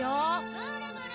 ・ブルブル！